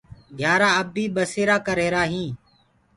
گھيآرآ اب بي ٻسيرآ ڪري هينٚ